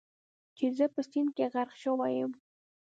چې زه په سیند کې غرق شوی یم.